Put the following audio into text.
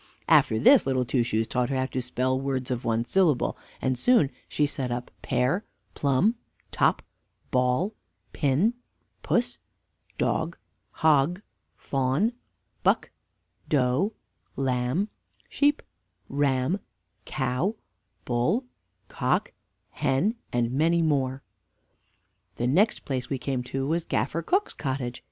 After this, Little Two Shoes taught her to spell words of one syllable, and she soon set up pear, plumb, top, ball, pin, puss, dog, hog, fawn, buck, doe, lamb, sheep, ram, cow, bull, cock, hen, and many more. The next place we came to was Gaffer Cook's cottage.